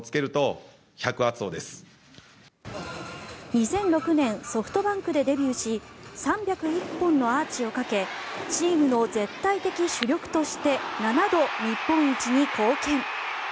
２００６年、ソフトバンクでデビューし３０１本のアーチをかけチームの絶対的主力として７度、日本一に貢献。